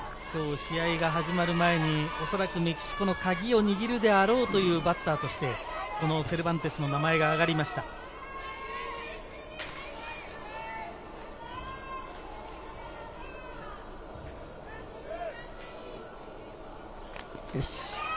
試合が始まる前、おそらくメキシコのカギを握るであろうバッターとしてセルバンテスの名前が上がりました。